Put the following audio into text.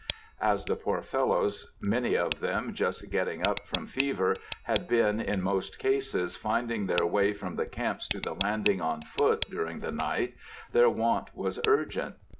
As the poor fellows, many of them just getting up from fever, had been, in most cases, finding their way from the camps to the landing on foot, during the night, their want was urgent.